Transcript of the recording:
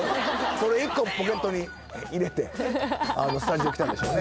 それ１個ポケットに入れてスタジオ来たんでしょうね